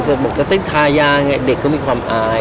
พอทำวางอาการอย่างเนี่ยเด็กก็มีความอาย